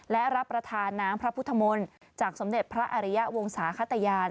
และรับประทานน้ำพระพุทธมนต์จากสมเด็จพระอริยะวงศาขตยาน